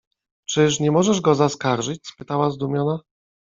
— Czyż nie możesz go zaskarżyć? — spytała zdumiona.